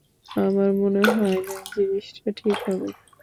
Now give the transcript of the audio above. আমার মনে হয় না জিনিসটা ঠিক হবে।